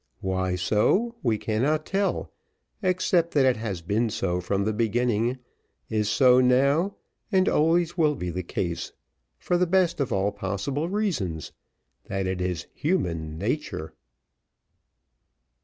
Why so, we cannot tell, except that it has been so from the beginning, is so now, and always will be the case, for the best of all possible reasons that it is human nature.